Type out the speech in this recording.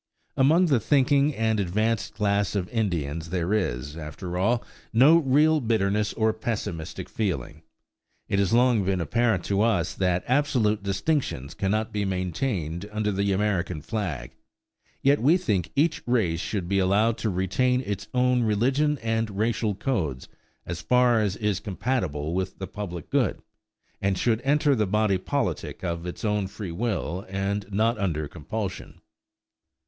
Among the thinking and advanced class of Indians there is, after all, no real bitterness or pessimistic feeling. It has long been apparent to us that absolute distinctions cannot be maintained under the American flag. Yet we think each race should be allowed to retain its own religion and racial codes as far as is compatible with the public good, and should enter the body politic of its own free will, and not under compulsion.